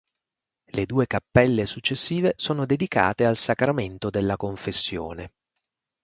Le due cappelle successive sono dedicate al sacramento della confessione.